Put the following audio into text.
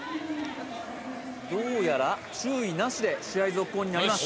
どうやら注意なしで試合続行になります